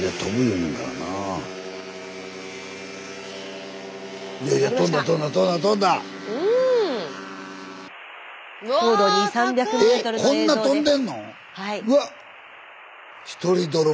えっこんな飛んでんの？